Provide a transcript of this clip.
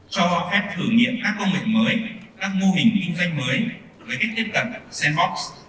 cho phép thử nghiệm các công nghệ mới các mô hình kinh doanh mới với cách tiếp cận sandbox